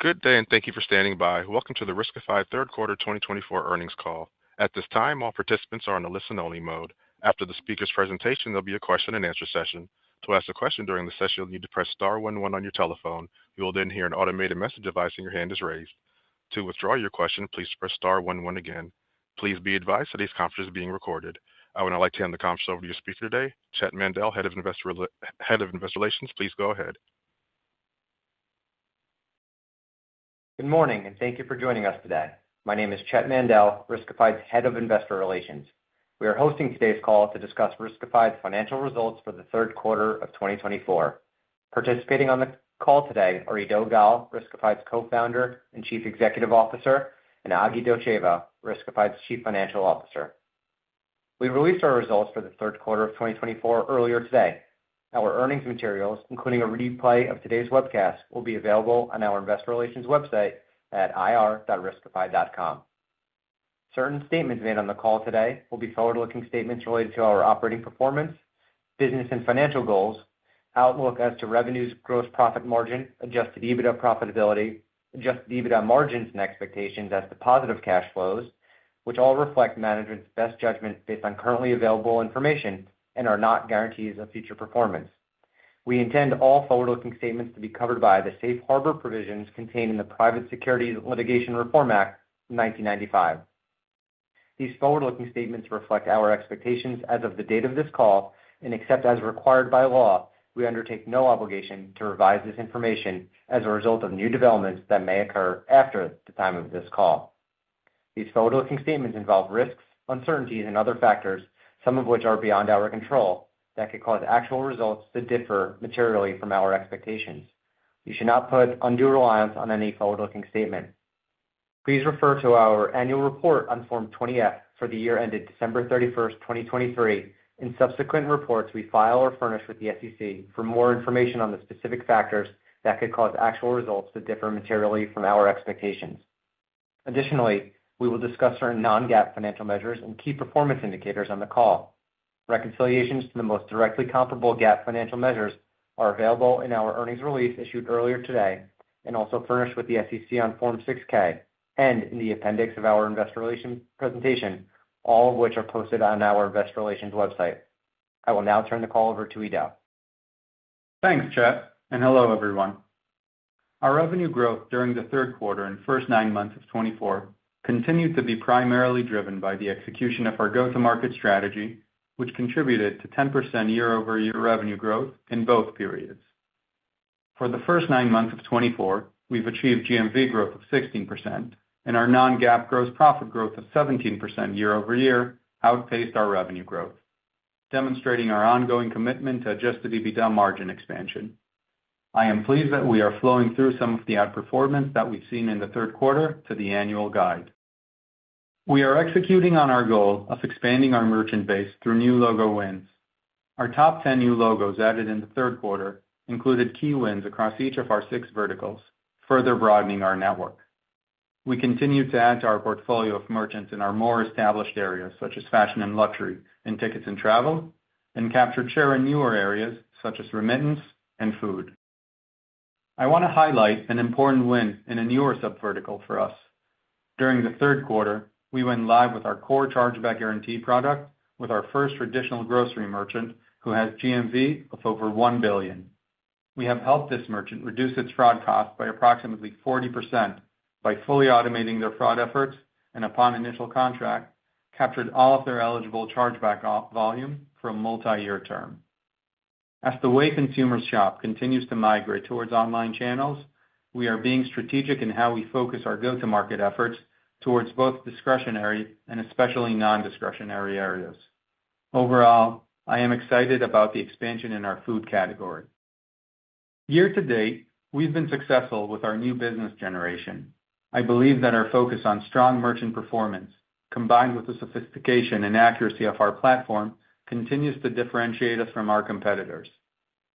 Good day, and thank you for standing by. Welcome to the Riskified Q3 2024 earnings call. At this time, all participants are on a listen-only mode. After the speaker's presentation, there'll be a question-and-answer session. To ask a question during the session, you'll need to press star 11 on your telephone. You will then hear an automated message advising that your hand is raised. To withdraw your question, please press star 11 again. Please be advised that this conference is being recorded. I would now like to hand the conference over to your speaker today, Chett Mandel, Head of Investor Relations. Please go ahead. Good morning, and thank you for joining us today. My name is Chett Mandel, Riskified's Head of Investor Relations. We are hosting today's call to discuss Riskified's financial results for the Q3 of 2024. Participating on the call today are Eido Gal, Riskified's co-founder and Chief Executive Officer, and Agi Dotcheva, Riskified's Chief Financial Officer. We released our results for Q3 of 2024 earlier today. Our earnings materials, including a replay of today's webcast, will be available on our Investor Relations website at ir.riskified.com. Certain statements made on the call today will be forward-looking statements related to our operating performance, business and financial goals, outlook as to revenues, gross profit margin, Adjusted EBITDA profitability, Adjusted EBITDA margins and expectations as to positive cash flows, which all reflect management's best judgment based on currently available information and are not guarantees of future performance. We intend all forward-looking statements to be covered by the safe harbor provisions contained in the Private Securities Litigation Reform Act of 1995. These forward-looking statements reflect our expectations as of the date of this call, and except as required by law, we undertake no obligation to revise this information as a result of new developments that may occur after the time of this call. These forward-looking statements involve risks, uncertainties, and other factors, some of which are beyond our control, that could cause actual results to differ materially from our expectations. You should not put undue reliance on any forward-looking statement. Please refer to our annual report on Form 20-F for the year ended December 31, 2023, and subsequent reports we file or furnish with the SEC for more information on the specific factors that could cause actual results to differ materially from our expectations. Additionally, we will discuss certain non-GAAP financial measures and key performance indicators on the call. Reconciliations to the most directly comparable GAAP financial measures are available in our earnings release issued earlier today and also furnished with the SEC on Form 6-K and in the appendix of our Investor Relations presentation, all of which are posted on our Investor Relations website. I will now turn the call over to Eido. Thanks, Chett, and hello, everyone. Our revenue growth during Q3 and first nine months of 2024 continued to be primarily driven by the execution of our go-to-market strategy, which contributed to 10% year-over-year revenue growth in both periods. For the first nine months of 2024, we've achieved GMV growth of 16%, and our non-GAAP gross profit growth of 17% year-over-year outpaced our revenue growth, demonstrating our ongoing commitment to adjusted EBITDA margin expansion. I am pleased that we are flowing through some of the outperformance that we've seen in Q3 to the annual guide. We are executing on our goal of expanding our merchant base through new logo wins. Our top 10 new logos added in Q3 included key wins across each of our six verticals, further broadening our network. We continue to add to our portfolio of merchants in our more established areas such as fashion and luxury and tickets and travel, and capture share in newer areas such as remittance and food. I want to highlight an important win in a newer subvertical for us. During Q3, we went live with our core Chargeback Guarantee product with our first traditional grocery merchant who has GMV of over $1 billion. We have helped this merchant reduce its fraud cost by approximately 40% by fully automating their fraud efforts and, upon initial contract, captured all of their eligible chargeback volume for a multi-year term. As the way consumers shop continues to migrate towards online channels, we are being strategic in how we focus our go-to-market efforts towards both discretionary and especially non-discretionary areas. Overall, I am excited about the expansion in our food category. Year to date, we've been successful with our new business generation. I believe that our focus on strong merchant performance, combined with the sophistication and accuracy of our platform, continues to differentiate us from our competitors.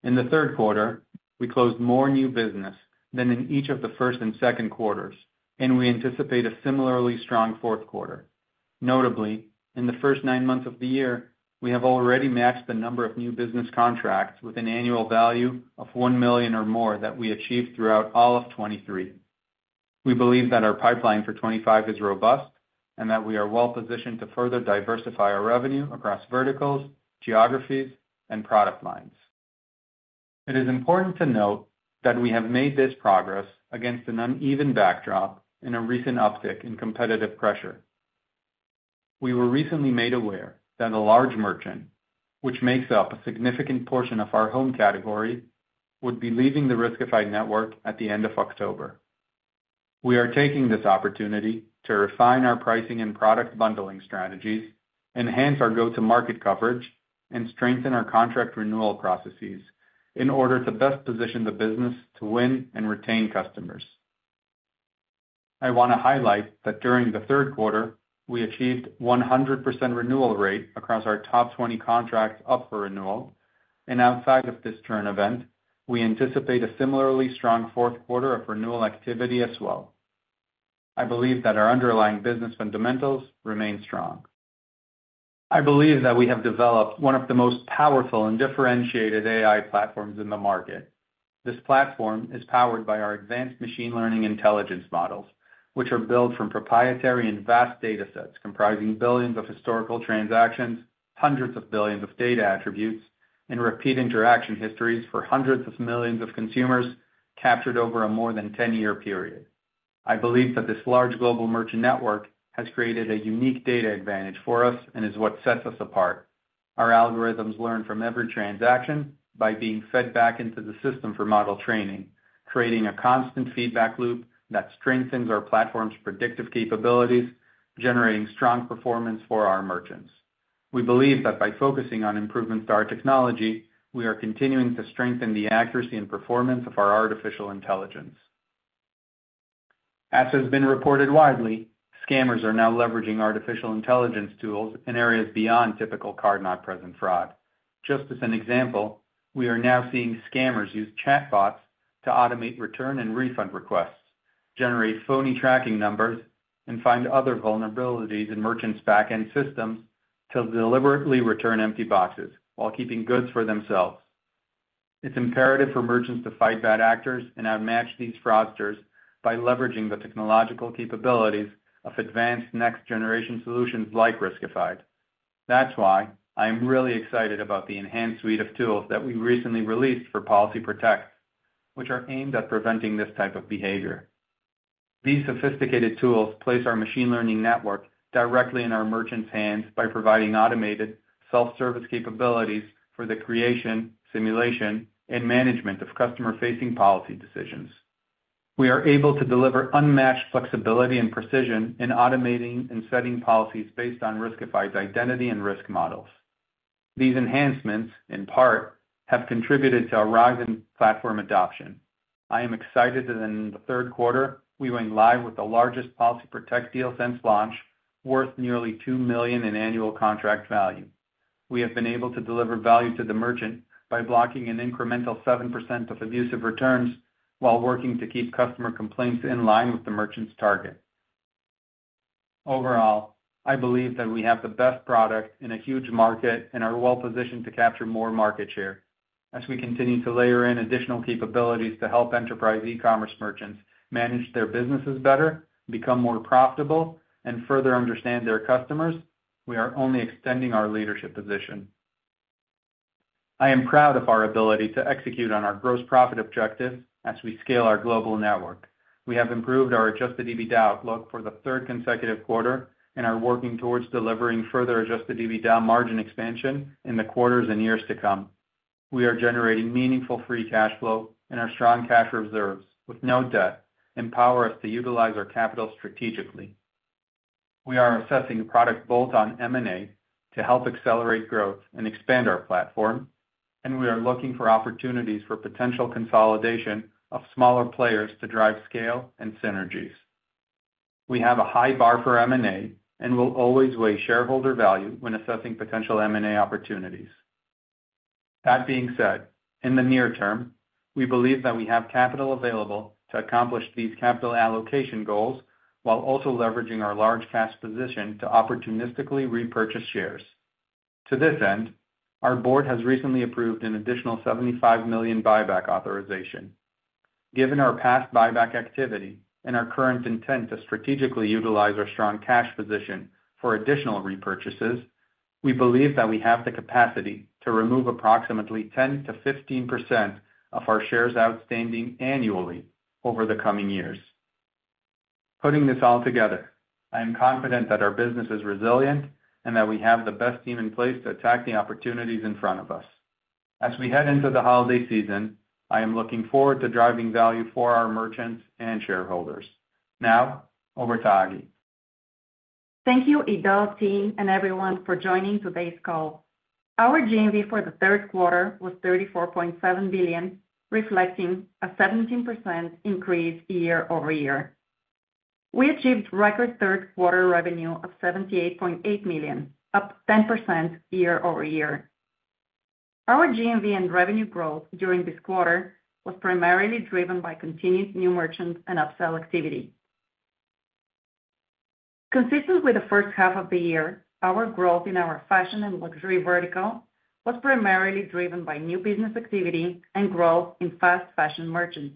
In Q3, we closed more new business than in each of the first and second quarters, and we anticipate a similarly strong Q4. Notably, in the first nine months of the year, we have already matched the number of new business contracts with an annual value of $1 million or more that we achieved throughout all of 2023. We believe that our pipeline for 2025 is robust and that we are well-positioned to further diversify our revenue across verticals, geographies, and product lines. It is important to note that we have made this progress against an uneven backdrop and a recent uptick in competitive pressure. We were recently made aware that a large merchant, which makes up a significant portion of our home category, would be leaving the Riskified network at the end of October. We are taking this opportunity to refine our pricing and product bundling strategies, enhance our go-to-market coverage, and strengthen our contract renewal processes in order to best position the business to win and retain customers. I want to highlight that during Q3, we achieved a 100% renewal rate across our top 20 contracts up for renewal, and outside of this churn event, we anticipate a similarly strong Q4 of renewal activity as well. I believe that our underlying business fundamentals remain strong. I believe that we have developed one of the most powerful and differentiated AI platforms in the market. This platform is powered by our advanced machine learning intelligence models, which are built from proprietary and vast data sets comprising billions of historical transactions, hundreds of billions of data attributes, and repeat interaction histories for hundreds of millions of consumers captured over a more than 10-year period. I believe that this large global merchant network has created a unique data advantage for us and is what sets us apart. Our algorithms learn from every transaction by being fed back into the system for model training, creating a constant feedback loop that strengthens our platform's predictive capabilities, generating strong performance for our merchants. We believe that by focusing on improvements to our technology, we are continuing to strengthen the accuracy and performance of our artificial intelligence. As has been reported widely, scammers are now leveraging artificial intelligence tools in areas beyond typical card-not-present fraud. Just as an example, we are now seeing scammers use chatbots to automate return and refund requests, generate phony tracking numbers, and find other vulnerabilities in merchants' backend systems to deliberately return empty boxes while keeping goods for themselves. It's imperative for merchants to fight bad actors and outmatch these fraudsters by leveraging the technological capabilities of advanced next-generation solutions like Riskified. That's why I am really excited about the enhanced suite of tools that we recently released for Policy Protect, which are aimed at preventing this type of behavior. These sophisticated tools place our machine learning network directly in our merchants' hands by providing automated self-service capabilities for the creation, simulation, and management of customer-facing policy decisions. We are able to deliver unmatched flexibility and precision in automating and setting policies based on Riskified's identity and risk models. These enhancements, in part, have contributed to a rise in platform adoption. I am excited that in Q3, we went live with the largest Policy Protect deal since launch, worth nearly $2 million in annual contract value. We have been able to deliver value to the merchant by blocking an incremental 7% of abusive returns while working to keep customer complaints in line with the merchant's target. Overall, I believe that we have the best product in a huge market and are well-positioned to capture more market share. As we continue to layer in additional capabilities to help enterprise e-commerce merchants manage their businesses better, become more profitable, and further understand their customers, we are only extending our leadership position. I am proud of our ability to execute on our gross profit objectives as we scale our global network. We have improved our Adjusted EBITDA outlook for the third consecutive quarter and are working towards delivering further Adjusted EBITDA margin expansion in the quarters and years to come. We are generating meaningful Free Cash Flow, and our strong cash reserves with no debt empower us to utilize our capital strategically. We are assessing product bolt-on M&A to help accelerate growth and expand our platform, and we are looking for opportunities for potential consolidation of smaller players to drive scale and synergies. We have a high bar for M&A and will always weigh shareholder value when assessing potential M&A opportunities. That being said, in the near term, we believe that we have capital available to accomplish these capital allocation goals while also leveraging our large cash position to opportunistically repurchase shares. To this end, our board has recently approved an additional $75 million buyback authorization. Given our past buyback activity and our current intent to strategically utilize our strong cash position for additional repurchases, we believe that we have the capacity to remove approximately 10%-15% of our shares outstanding annually over the coming years. Putting this all together, I am confident that our business is resilient and that we have the best team in place to attack the opportunities in front of us. As we head into the holiday season, I am looking forward to driving value for our merchants and shareholders. Now, over to Agi. Thank you, Agi Dotcheva, team, and everyone for joining today's call. Our GMV for Q3 was $34.7 billion, reflecting a 17% increase year-over-year. We achieved record Q3 revenue of $78.8 million, up 10% year-over-year. Our GMV and revenue growth during this quarter was primarily driven by continued new merchants and upsell activity. Consistent with the first half of the year, our growth in our fashion and luxury vertical was primarily driven by new business activity and growth in fast fashion merchants.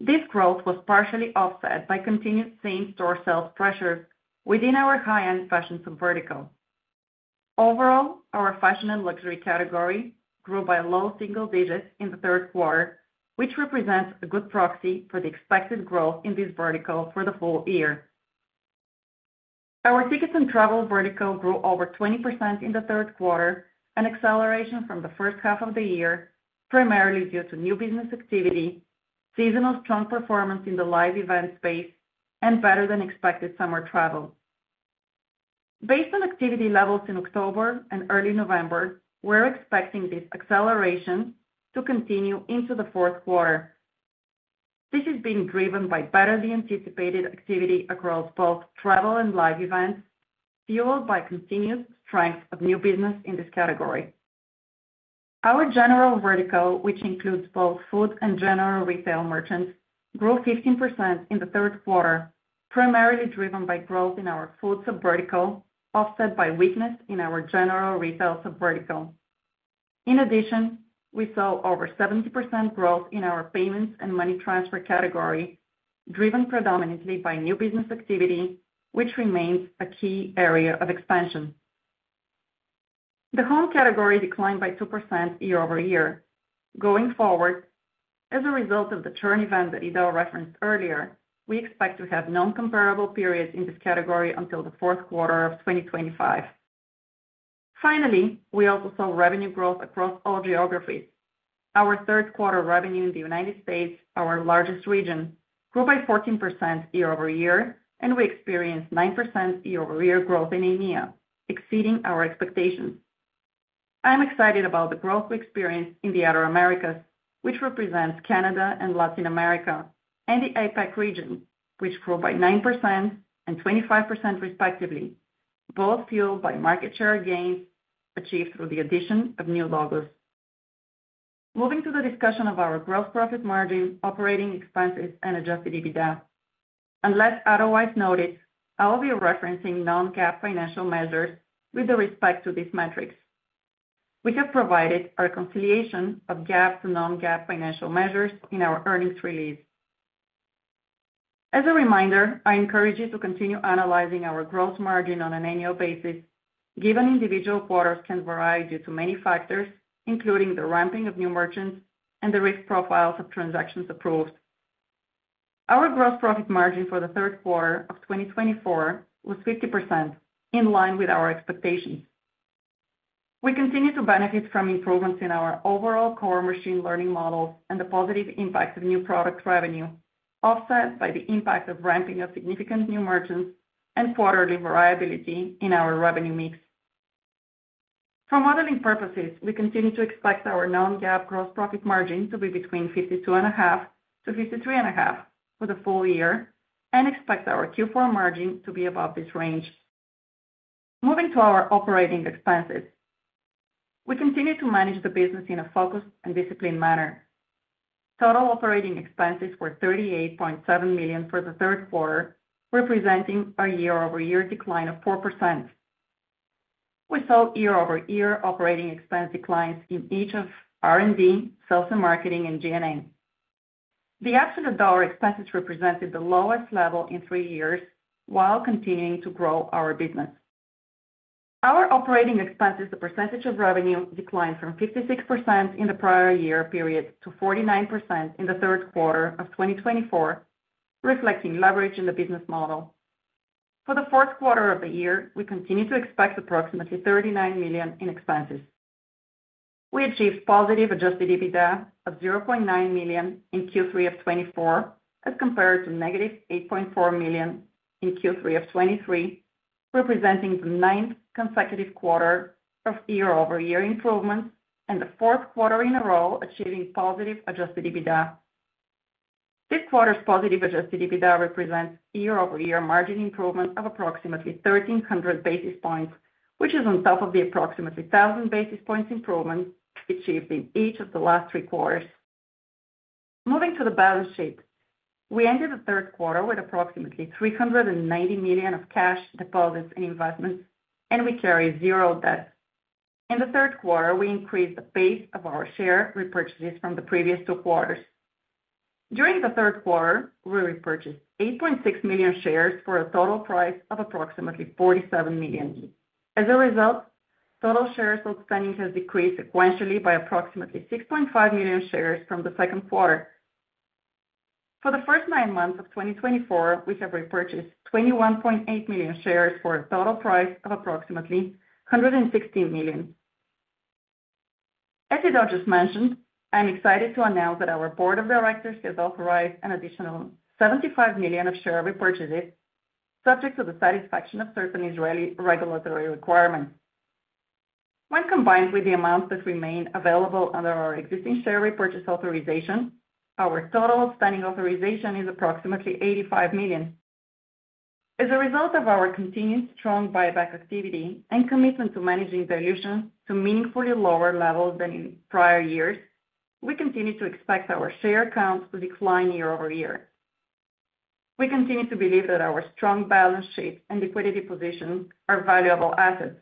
This growth was partially offset by continued same-store sales pressures within our high-end fashion subvertical. Overall, our fashion and luxury category grew by low single digits in Q3, which represents a good proxy for the expected growth in this vertical for the full year. Our tickets and travel vertical grew over 20% in Q3, an acceleration from the first half of the year, primarily due to new business activity, seasonal strong performance in the live event space, and better-than-expected summer travel. Based on activity levels in October and early November, we're expecting this acceleration to continue into Q4. This is being driven by better-than-anticipated activity across both travel and live events, fueled by continued strength of new business in this category. Our general vertical, which includes both food and general retail merchants, grew 15% in Q3, primarily driven by growth in our food subvertical, offset by weakness in our general retail subvertical. In addition, we saw over 70% growth in our payments and money transfer category, driven predominantly by new business activity, which remains a key area of expansion. The home category declined by 2% year-over-year. Going forward, as a result of the churn event that Agi Dotcheva referenced earlier, we expect to have non-comparable periods in this category until Q4 of 2025. Finally, we also saw revenue growth across all geographies. Our Q3 revenue in the United States, our largest region, grew by 14% year-over-year, and we experienced 9% year-over-year growth in EMEA, exceeding our expectations. I'm excited about the growth we experienced in the other Americas, which represents Canada and Latin America, and the APAC region, which grew by 9% and 25% respectively, both fueled by market share gains achieved through the addition of new logos. Moving to the discussion of our gross profit margin, operating expenses, and adjusted EBITDA. Unless otherwise noted, I'll be referencing non-GAAP financial measures with respect to these metrics. We have provided a reconciliation of GAAP to non-GAAP financial measures in our earnings release. As a reminder, I encourage you to continue analyzing our gross margin on an annual basis, given individual quarters can vary due to many factors, including the ramping of new merchants and the risk profiles of transactions approved. Our gross profit margin for Q3 of 2024 was 50%, in line with our expectations. We continue to benefit from improvements in our overall core machine learning models and the positive impact of new product revenue, offset by the impact of ramping of significant new merchants and quarterly variability in our revenue mix. For modeling purposes, we continue to expect our non-GAAP gross profit margin to be between 52.5%-53.5% for the full year and expect our Q4 margin to be above this range. Moving to our operating expenses, we continue to manage the business in a focused and disciplined manner. Total operating expenses were $38.7 million for Q3, representing a year-over-year decline of 4%. We saw year-over-year operating expense declines in each of R&D, sales and marketing, and G&A. The absolute dollar expenses represented the lowest level in three years, while continuing to grow our business. Our operating expenses, the percentage of revenue, declined from 56% in the prior year period to 49% in Q3 of 2024, reflecting leverage in the business model. For Q4 of the year, we continue to expect approximately $39 million in expenses. We achieved positive adjusted EBITDA of $0.9 million in Q3 of 2024, as compared to negative $8.4 million in Q3 of 2023, representing the ninth consecutive quarter of year-over-year improvements and the fourth quarter in a row achieving positive adjusted EBITDA. This quarter's positive Adjusted EBITDA represents year-over-year margin improvement of approximately 1,300 basis points, which is on top of the approximately 1,000 basis points improvement achieved in each of the last three quarters. Moving to the balance sheet, we ended Q3 with approximately $390 million of cash deposits and investments, and we carry zero debt. In Q3, we increased the pace of our share repurchases from the previous two quarters. During Q3, we repurchased 8.6 million shares for a total price of approximately $47 million. As a result, total shares outstanding has decreased sequentially by approximately 6.5 million shares from Q2. For the first nine months of 2024, we have repurchased 21.8 million shares for a total price of approximately $116 million. As Agi Dotcheva mentioned, I'm excited to announce that our board of directors has authorized an additional $75 million of share repurchases, subject to the satisfaction of certain Israeli regulatory requirements. When combined with the amounts that remain available under our existing share repurchase authorization, our total outstanding authorization is approximately $85 million. As a result of our continued strong buyback activity and commitment to managing dilution to meaningfully lower levels than in prior years, we continue to expect our share counts to decline year-over-year. We continue to believe that our strong balance sheet and liquidity positions are valuable assets.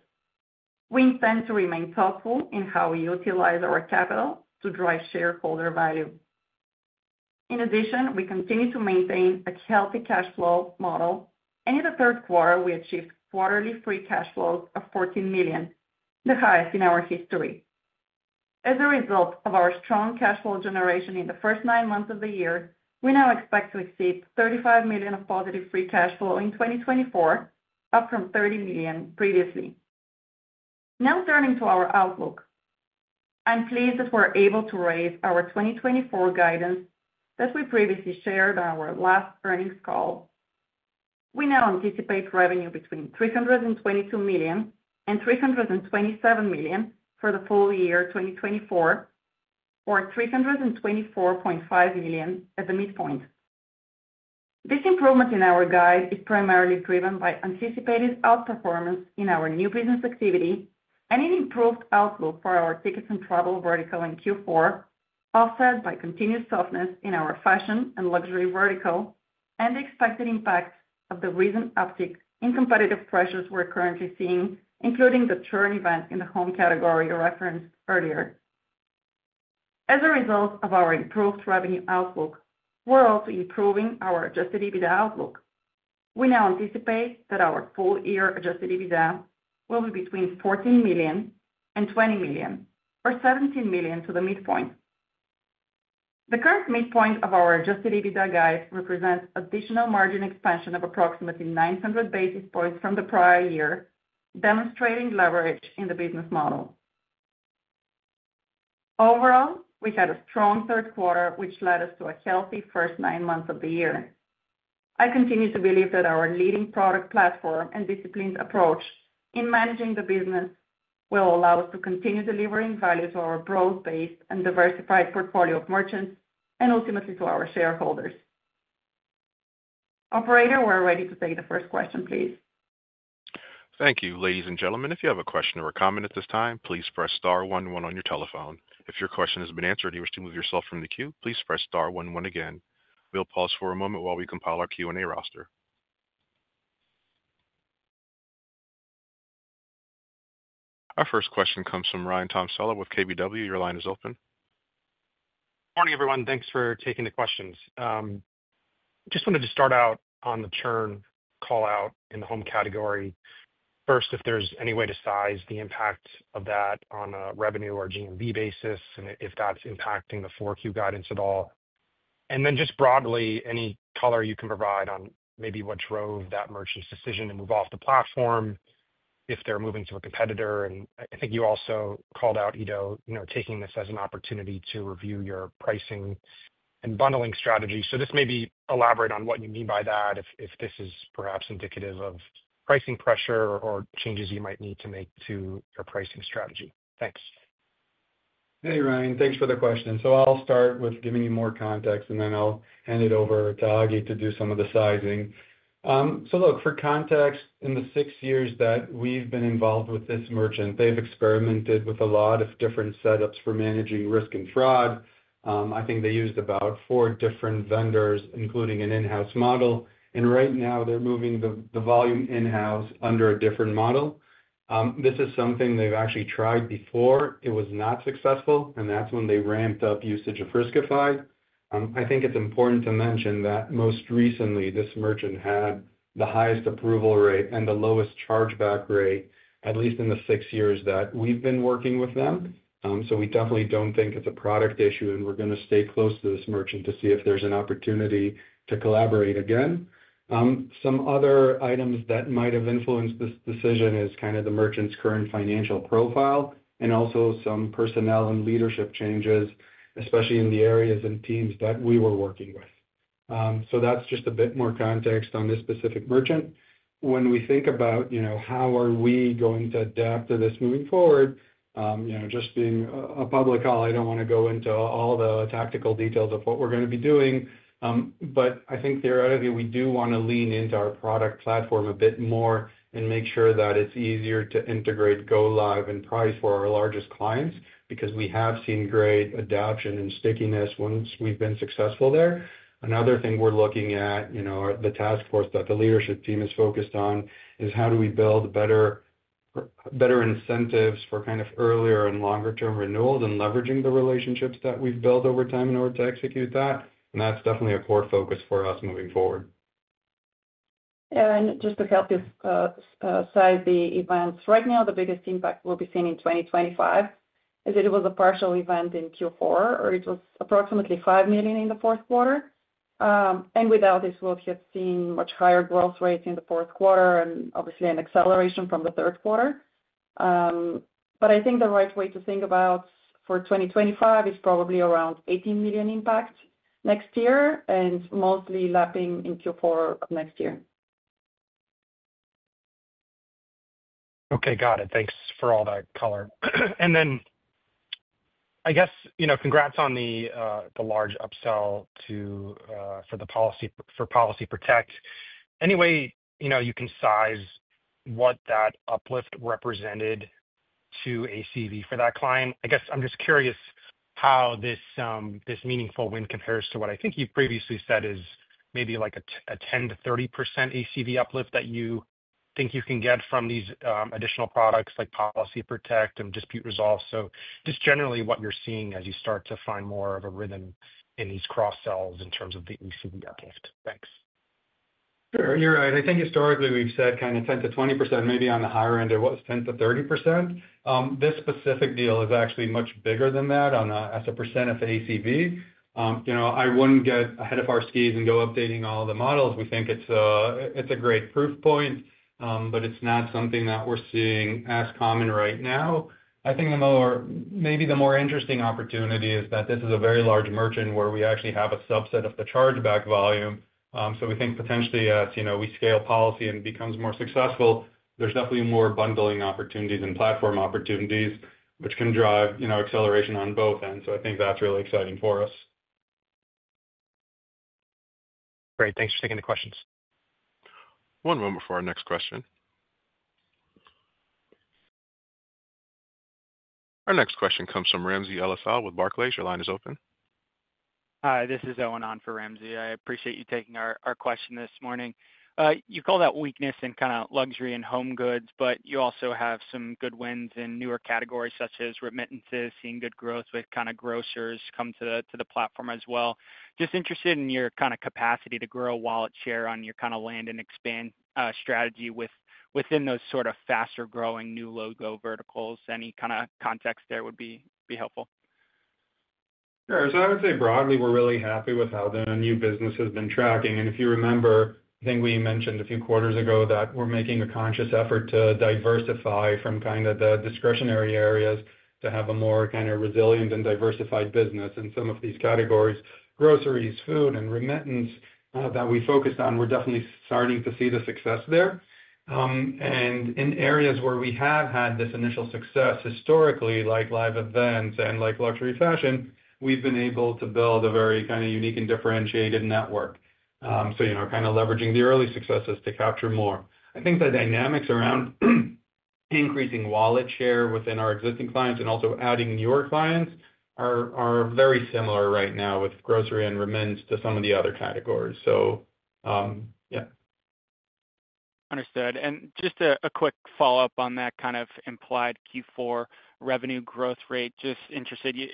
We intend to remain thoughtful in how we utilize our capital to drive shareholder value. In addition, we continue to maintain a healthy cash flow model, and in Q3, we achieved quarterly free cash flows of $14 million, the highest in our history. As a result of our strong cash flow generation in the first nine months of the year, we now expect to exceed $35 million of positive free cash flow in 2024, up from $30 million previously. Now, turning to our outlook, I'm pleased that we're able to raise our 2024 guidance that we previously shared on our last earnings call. We now anticipate revenue between $322 million and $327 million for the full year 2024, or $324.5 million at the midpoint. This improvement in our guide is primarily driven by anticipated outperformance in our new business activity and an improved outlook for our tickets and travel vertical in Q4, offset by continued softness in our fashion and luxury vertical and the expected impact of the recent uptick in competitive pressures we're currently seeing, including the churn event in the home category referenced earlier. As a result of our improved revenue outlook, we're also improving our Adjusted EBITDA outlook. We now anticipate that our full-year Adjusted EBITDA will be between $14 million and $20 million, or $17 million to the midpoint. The current midpoint of our Adjusted EBITDA guide represents additional margin expansion of approximately 900 basis points from the prior year, demonstrating leverage in the business model. Overall, we had a strong Q3, which led us to a healthy first nine months of the year. I continue to believe that our leading product platform and disciplined approach in managing the business will allow us to continue delivering value to our growth-based and diversified portfolio of merchants and ultimately to our shareholders. Operator, we're ready to take the first question, please. Thank you, ladies and gentlemen. If you have a question or a comment at this time, please press star 11 on your telephone. If your question has been answered and you wish to move yourself from the queue, please press star 11 again. We'll pause for a moment while we compile our Q&A roster. Our first question comes from Ryan Tomasello with KBW. Your line is open. Good morning, everyone. Thanks for taking the questions. Just wanted to start out on the churn callout in the home category. First, if there's any way to size the impact of that on a revenue or GMV basis and if that's impacting the 4Q guidance at all. And then just broadly, any color you can provide on maybe what drove that merchant's decision to move off the platform if they're moving to a competitor. And I think you also called out Agi Dotcheva taking this as an opportunity to review your pricing and bundling strategy. So just maybe elaborate on what you mean by that, if this is perhaps indicative of pricing pressure or changes you might need to make to your pricing strategy. Thanks. Hey, Ryan. Thanks for the question. So I'll start with giving you more context, and then I'll hand it over to Agi to do some of the sizing. So look, for context, in the six years that we've been involved with this merchant, they've experimented with a lot of different setups for managing risk and fraud. I think they used about four different vendors, including an in-house model. And right now, they're moving the volume in-house under a different model. This is something they've actually tried before. It was not successful, and that's when they ramped up usage of Riskified. I think it's important to mention that most recently, this merchant had the highest approval rate and the lowest chargeback rate, at least in the six years that we've been working with them. So we definitely don't think it's a product issue, and we're going to stay close to this merchant to see if there's an opportunity to collaborate again. Some other items that might have influenced this decision is kind of the merchant's current financial profile and also some personnel and leadership changes, especially in the areas and teams that we were working with. So that's just a bit more context on this specific merchant. When we think about how are we going to adapt to this moving forward, just being a public call, I don't want to go into all the tactical details of what we're going to be doing. But I think theoretically, we do want to lean into our product platform a bit more and make sure that it's easier to integrate go-live and price for our largest clients because we have seen great adoption and stickiness once we've been successful there. Another thing we're looking at, the task force that the leadership team is focused on, is how do we build better incentives for kind of earlier and longer-term renewals and leveraging the relationships that we've built over time in order to execute that. And that's definitely a core focus for us moving forward. And just to help you size the events, right now, the biggest impact we'll be seeing in 2025 is it was a partial event in Q4, or it was approximately $5 million in the fourth quarter. And without this, we'll have seen much higher growth rates in the fourth quarter and obviously an acceleration from the third quarter. But I think the right way to think about for 2025 is probably around $18 million impact next year and mostly lapping in Q4 of next year. Okay, got it. Thanks for all that color. And then I guess congrats on the large upsell for the policy for Policy Protect. Any way you can size what that uplift represented to ACV for that client? I guess I'm just curious how this meaningful win compares to what I think you've previously said is maybe like a 10%-30% ACV uplift that you think you can get from these additional products like Policy Protect and Dispute Resolve. So just generally what you're seeing as you start to find more of a rhythm in these cross-sells in terms of the ACV uplift. Thanks. Sure. You're right. I think historically, we've said kind of 10%-20%, maybe on the higher end, or what was 10%-30%. This specific deal is actually much bigger than that as a percent of ACV. I wouldn't get ahead of our skis and go updating all the models. We think it's a great proof point, but it's not something that we're seeing as common right now. I think maybe the more interesting opportunity is that this is a very large merchant where we actually have a subset of the chargeback volume. So we think potentially as we scale policy and it becomes more successful, there's definitely more bundling opportunities and platform opportunities, which can drive acceleration on both ends. So I think that's really exciting for us. Great. Thanks for taking the questions. One moment before our next question. Our next question comes from Ramsey El-Assal with Barclays. Your line is open. Hi, this is Owen Callahan for Ramsey. I appreciate you taking our question this morning. You called that weakness in kind of luxury and home goods, but you also have some good wins in newer categories such as remittances, seeing good growth with kind of grocers come to the platform as well. Just interested in your kind of capacity to grow wallet share on your kind of land and expand strategy within those sort of faster-growing new logo verticals. Any kind of context there would be helpful. Sure. So I would say broadly, we're really happy with how the new business has been tracking. And if you remember, I think we mentioned a few quarters ago that we're making a conscious effort to diversify from kind of the discretionary areas to have a more kind of resilient and diversified business in some of these categories: groceries, food, and remittance that we focused on. We're definitely starting to see the success there. And in areas where we have had this initial success historically, like live events and luxury fashion, we've been able to build a very kind of unique and differentiated network. So kind of leveraging the early successes to capture more. I think the dynamics around increasing wallet share within our existing clients and also adding newer clients are very similar right now with grocery and remittance to some of the other categories. So yeah. Understood. And just a quick follow-up on that kind of implied Q4 revenue growth rate. Just interested. You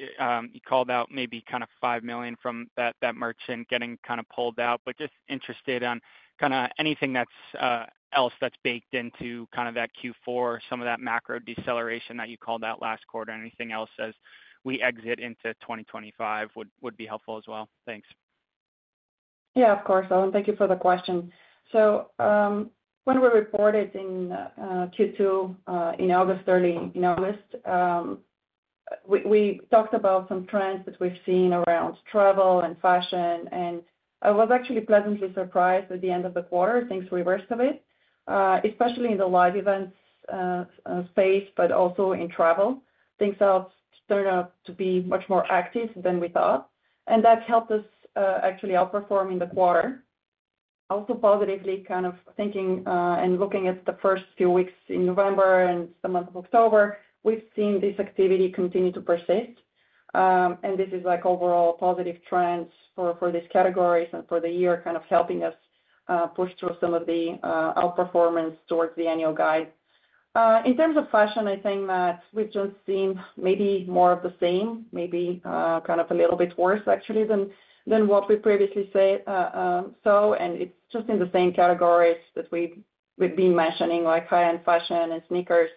called out maybe kind of $5 million from that merchant getting kind of pulled out. But just interested on kind of anything else that's baked into kind of that Q4, some of that macro deceleration that you called out last quarter. Anything else as we exit into 2025 would be helpful as well. Thanks. Yeah, of course, Owen. Thank you for the question. So when we reported in Q2 in August early in August, we talked about some trends that we've seen around travel and fashion. And I was actually pleasantly surprised at the end of the quarter. Things reversed a bit, especially in the live events space, but also in travel. Things have turned out to be much more active than we thought. And that helped us actually outperform in the quarter. Also positively kind of thinking and looking at the first few weeks in November and the month of October, we've seen this activity continue to persist. And this is like overall positive trends for these categories and for the year kind of helping us push through some of the outperformance towards the annual guide. In terms of fashion, I think that we've just seen maybe more of the same, maybe kind of a little bit worse actually than what we previously saw. And it's just in the same categories that we've been mentioning, like high-end fashion and sneakers.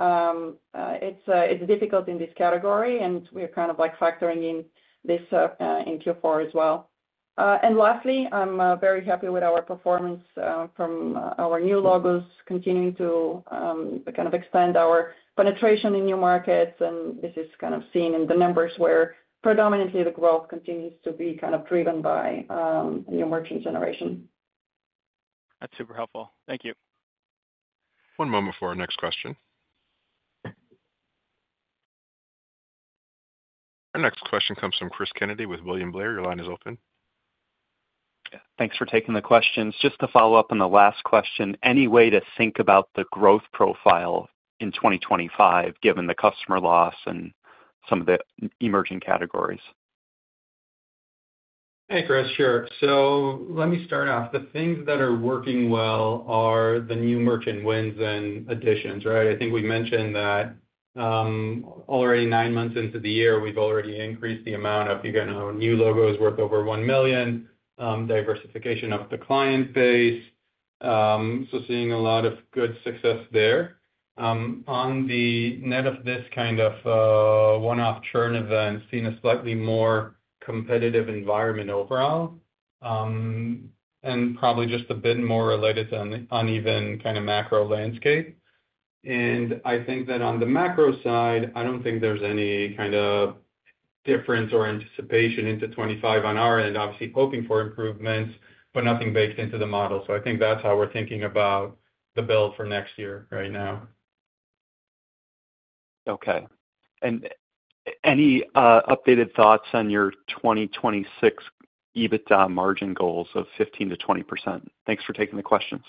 It's difficult in this category, and we're kind of like factoring in this in Q4 as well. And lastly, I'm very happy with our performance from our new logos, continuing to kind of expand our penetration in new markets. And this is kind of seen in the numbers where predominantly the growth continues to be kind of driven by new merchant generation. That's super helpful. Thank you. One moment before our next question. Our next question comes from Cris Kennedy with William Blair. Your line is open. Thanks for taking the questions. Just to follow up on the last question, any way to think about the growth profile in 2025 given the customer loss and some of the emerging categories? Hey, Chris, sure. So let me start off. The things that are working well are the new merchant wins and additions, right? I think we mentioned that already nine months into the year, we've already increased the amount of new logos worth over $1 million, diversification of the client base. So seeing a lot of good success there. On the net of this kind of one-off churn event, seeing a slightly more competitive environment overall and probably just a bit more related to an uneven kind of macro landscape. And I think that on the macro side, I don't think there's any kind of difference or anticipation into 2025 on our end, obviously hoping for improvements, but nothing baked into the model. So I think that's how we're thinking about the build for next year right now. Okay, and any updated thoughts on your 2026 EBITDA margin goals of 15%-20%? Thanks for taking the questions.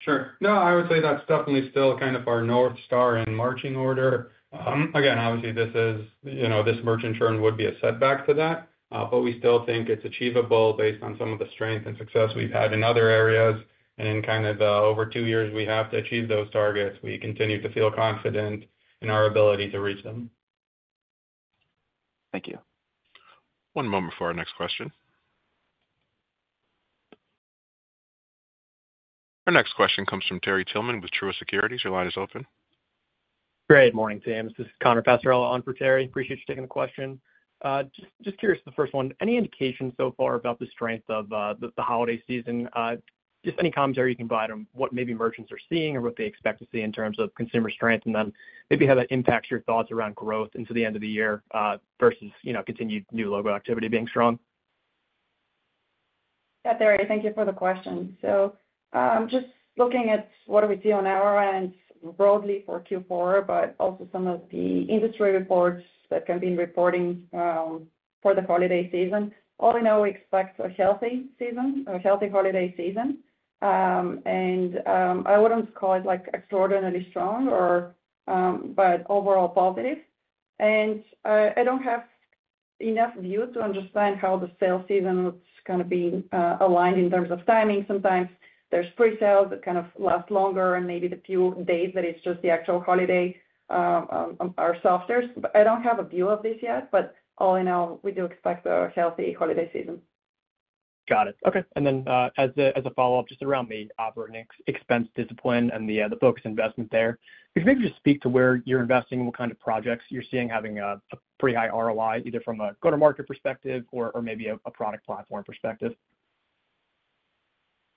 Sure. No, I would say that's definitely still kind of our north star and marching order. Again, obviously, this merchant churn would be a setback to that, but we still think it's achievable based on some of the strength and success we've had in other areas, and in kind of over two years, we have to achieve those targets. We continue to feel confident in our ability to reach them. Thank you. One moment before our next question. Our next question comes from Terry Tillman with Truist Securities. Your line is open. Good morning, Team. This is Connor Passarella on for Terry. Appreciate you taking the question. Just curious for the first one. Any indication so far about the strength of the holiday season? Just any commentary you can provide on what maybe merchants are seeing or what they expect to see in terms of consumer strength and then maybe how that impacts your thoughts around growth into the end of the year versus continued new logo activity being strong? Yeah, Terry, thank you for the question. So just looking at what do we see on our end broadly for Q4, but also some of the industry reports that have been reporting for the holiday season. All in all, we expect a healthy season, a healthy holiday season. And I wouldn't call it extraordinarily strong, but overall positive. And I don't have enough view to understand how the sales season is kind of being aligned in terms of timing. Sometimes there's presales that kind of last longer, and maybe the few days that it's just the actual holiday are softer. But I don't have a view of this yet. But all in all, we do expect a healthy holiday season. Got it. Okay. And then as a follow-up, just around the operating expense discipline and the focus investment there, could you maybe just speak to where you're investing and what kind of projects you're seeing having a pretty high ROI, either from a go-to-market perspective or maybe a product platform perspective?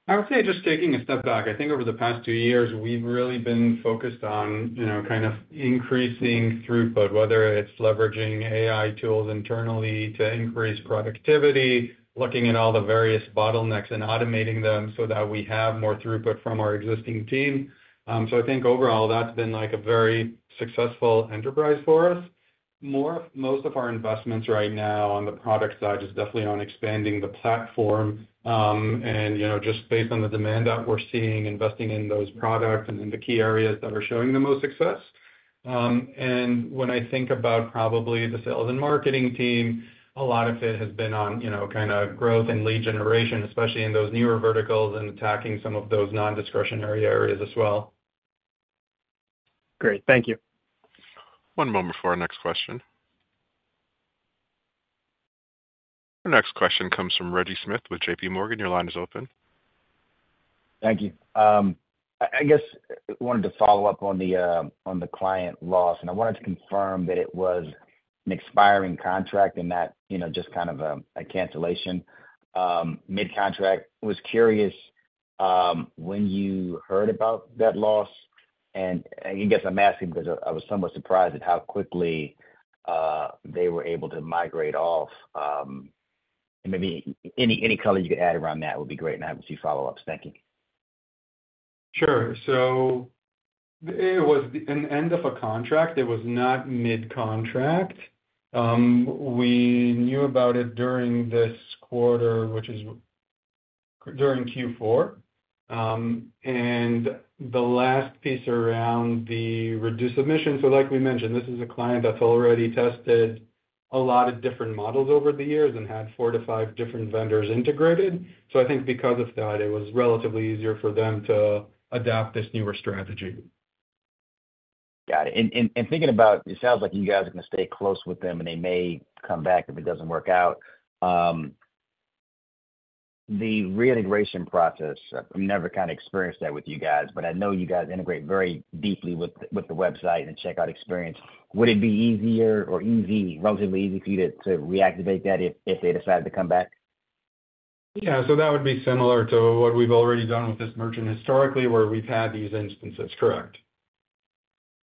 I would say just taking a step back, I think over the past two years, we've really been focused on kind of increasing throughput, whether it's leveraging AI tools internally to increase productivity, looking at all the various bottlenecks and automating them so that we have more throughput from our existing team. So I think overall, that's been a very successful enterprise for us. Most of our investments right now on the product side is definitely on expanding the platform and just based on the demand that we're seeing, investing in those products and in the key areas that are showing the most success. And when I think about probably the sales and marketing team, a lot of it has been on kind of growth and lead generation, especially in those newer verticals and attacking some of those non-discretionary areas as well. Great. Thank you. One moment before our next question. Our next question comes from Reggie Smith with JPMorgan. Your line is open. Thank you. I guess I wanted to follow up on the client loss, and I wanted to confirm that it was an expiring contract and not just kind of a cancellation, mid-contract. Was curious when you heard about that loss? And I guess I'm asking because I was somewhat surprised at how quickly they were able to migrate off, and maybe any color you could add around that would be great, and I haven't seen follow-ups. Thank you. Sure, so it was an end of a contract. It was not mid-contract. We knew about it during this quarter, which is during Q4, and the last piece around the reduced submission, so like we mentioned, this is a client that's already tested a lot of different models over the years and had four to five different vendors integrated, so I think because of that, it was relatively easier for them to adopt this newer strategy. Got it. Thinking about, it sounds like you guys are going to stay close with them, and they may come back if it doesn't work out. The reintegration process, I've never kind of experienced that with you guys, but I know you guys integrate very deeply with the website and the checkout experience. Would it be easier or relatively easy for you to reactivate that if they decide to come back? Yeah. So that would be similar to what we've already done with this merchant historically, where we've had these instances. Correct.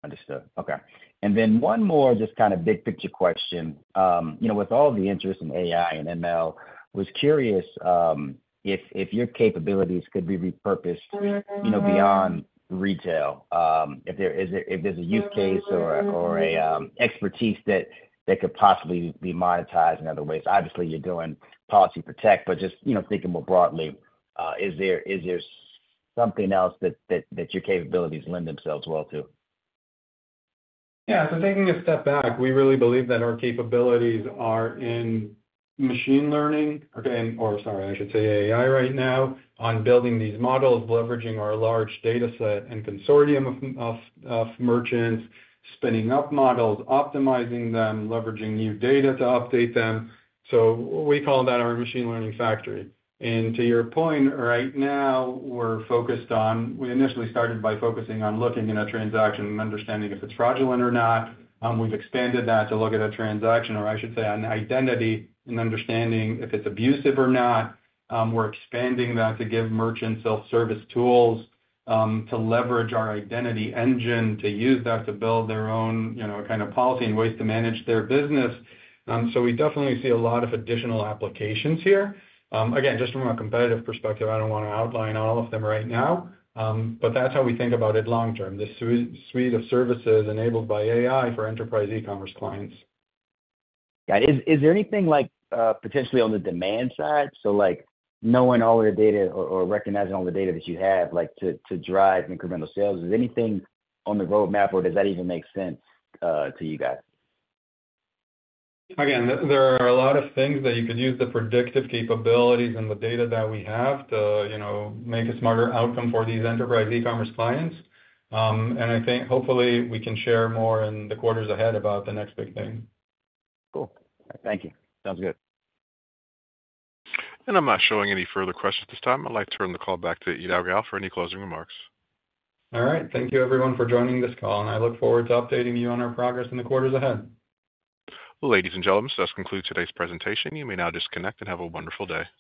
Understood. Okay. And then one more just kind of big-picture question. With all the interest in AI and ML, I was curious if your capabilities could be repurposed beyond retail. If there's a use case or an expertise that could possibly be monetized in other ways. Obviously, you're doing Policy Protect, but just thinking more broadly, is there something else that your capabilities lend themselves well to? Yeah. So taking a step back, we really believe that our capabilities are in machine learning, or sorry, I should say AI right now, on building these models, leveraging our large dataset and consortium of merchants, spinning up models, optimizing them, leveraging new data to update them. So we call that our machine learning factory. And to your point, right now, we're focused on we initially started by focusing on looking at a transaction and understanding if it's fraudulent or not. We've expanded that to look at a transaction, or I should say an identity, and understanding if it's abusive or not. We're expanding that to give merchants self-service tools to leverage our identity engine to use that to build their own kind of policy and ways to manage their business. So we definitely see a lot of additional applications here. Again, just from a competitive perspective, I don't want to outline all of them right now, but that's how we think about it long-term, this suite of services enabled by AI for enterprise e-commerce clients. Yeah. Is there anything potentially on the demand side? So knowing all the data or recognizing all the data that you have to drive incremental sales, is there anything on the roadmap, or does that even make sense to you guys? Again, there are a lot of things that you could use the predictive capabilities and the data that we have to make a smarter outcome for these enterprise e-commerce clients, and I think hopefully we can share more in the quarters ahead about the next big thing. Cool. Thank you. Sounds good. I'm not showing any further questions at this time. I'd like to turn the call back to Eido Gal for any closing remarks. All right. Thank you, everyone, for joining this call, and I look forward to updating you on our progress in the quarters ahead. Ladies and gentlemen, so that concludes today's presentation. You may now disconnect and have a wonderful day.